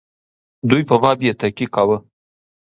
دوی په باب یې تحقیق کاوه.